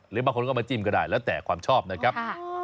หรือบางคนก็มาจิ้มก็ได้แล้วแต่ความชอบนะครับ